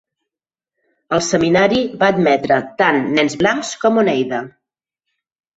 El seminari va admetre tant nens blancs com Oneida.